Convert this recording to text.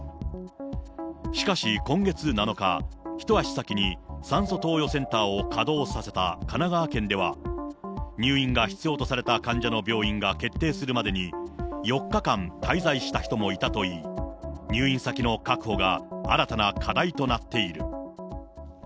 しかし今月７日、一足先に酸素投与センターを稼働させた神奈川県では、入院が必要とされた患者の病院が決定するまでに４日間滞在した人もいたといい、入院先の確保が新たな課題となっている。